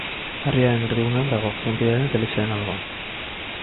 Herriaren erdigunean dago, frontoiaren eta elizaren alboan.